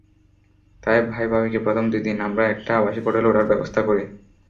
তাই ভাই-ভাবিকে প্রথম দুই দিন আমরা একটা আবাসিক হোটেলে ওঠার ব্যবস্থা করি।